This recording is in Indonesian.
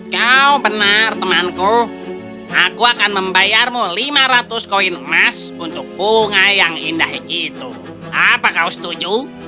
kau benar temanku aku akan membayarmu lima ratus koin emas untuk bunga yang indah itu apa kau setuju